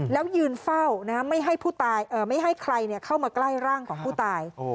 แล้วยืนเฝ้านะฮะไม่ให้ผู้ตายเอ่อไม่ให้ใครเนี่ยเข้ามาใกล้ร่างของผู้ตาย